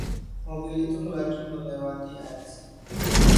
Mobil itu melaju melewati Annecy.